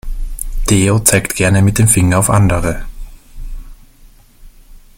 Theo zeigt gerne mit dem Finger auf andere.